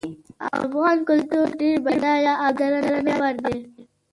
افغان کلتور ډیر بډایه او د درناوي وړ ده